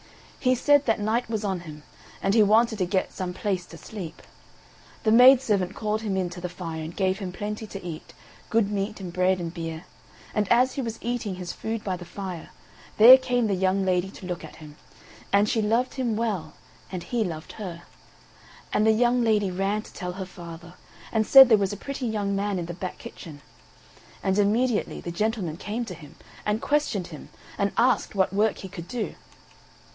He said that night was on him, and he wanted to get some place to sleep. The maid servant called him in to the fire, and gave him plenty to eat, good meat and bread and beer; and as he was eating his food by the fire, there came the young lady to look at him, and she loved him well and he loved her. And the young lady ran to tell her father, and said there was a pretty young man in the back kitchen; and immediately the gentleman came to him, and questioned him, and asked what work he could do.